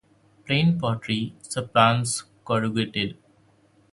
Plain pottery supplants corrugated.